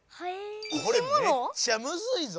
これめっちゃむずいぞ。